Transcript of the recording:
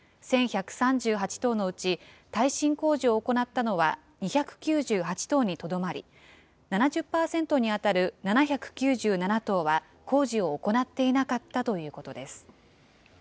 １１３８棟のうち、耐震工事を行ったのは２９８棟にとどまり、７０％に当たる７９７棟は工事を行っていなかったということです。